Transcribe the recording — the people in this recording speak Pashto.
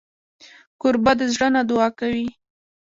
کوربه د زړه نه دعا کوي.